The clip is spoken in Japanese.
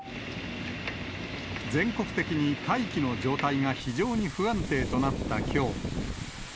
全国的に大気の状態が非常に不安定となったきょう。